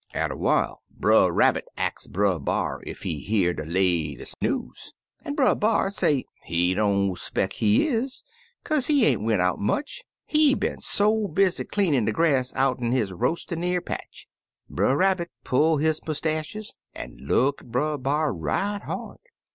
"Atter while, Brer Rabbit ax Brer B'ar is he hear de lates' news, an' Brer B'ar say he don't 'speck he is, kaze he ain't went out much, he been so busy cleanin' de grass out'n his roas'n y'ear patch. Brer Rabbit pull his mustaches, an' look at Brer B'ar right hard.